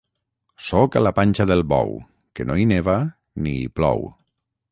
Sóc a la panxa del bou, que no hi neva ni hi plou